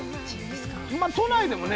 都内でもね